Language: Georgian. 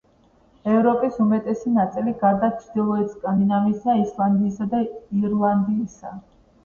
ევროპის უმეტესი ნაწილი, გარდა ჩრდილოეთ სკანდინავიისა, ისლანდიისა და ირლანდიისა.